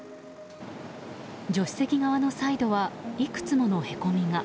助手席側のサイドはいくつものへこみが。